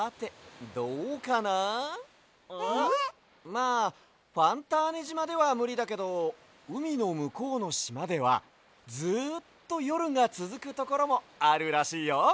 まあファンターネじまではむりだけどうみのむこうのしまではずっとよるがつづくところもあるらしいよ！